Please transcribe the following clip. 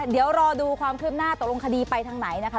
เดี๋ยวรอดูความคืบหน้าตกลงคดีไปทางไหนนะคะ